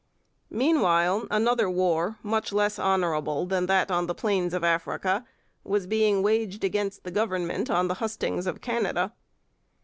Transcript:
Meanwhile another war, much less honourable than that on the plains of Africa, was being waged against the Government on the hustings of Canada.